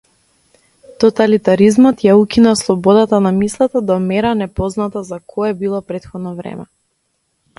Тоталитаризмот ја укина слободата на мислата до мера непозната за кое било претходно време.